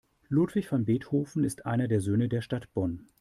Ludwig van Beethoven ist einer der Söhne der Stadt Bonn.